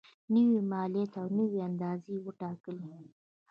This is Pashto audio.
نوي مالیات او نوي اندازې یې وټاکلې.